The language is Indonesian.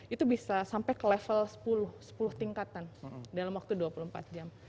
itu bisa sampai ke level sepuluh tingkatan dalam waktu dua puluh empat jam